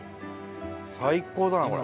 最高だなこれ。